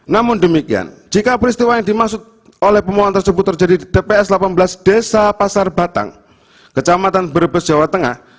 namun demikian jika peristiwa yang dimaksud oleh pemohon tersebut terjadi di tps delapan belas desa pasar batang kecamatan brebes jawa tengah